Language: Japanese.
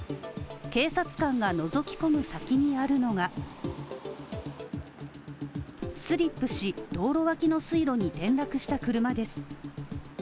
警察官がのぞき込む先にあるのがスリップし道路脇の水路に転落した車です。